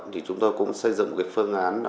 thì chúng tôi cũng xây dựng cái phương án